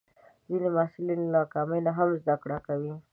ځینې محصلین له ناکامۍ نه هم زده کړه کوي.